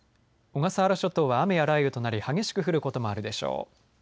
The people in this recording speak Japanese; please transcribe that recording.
小笠原諸島は雨や雷雨となり激しく降ることもあるでしょう。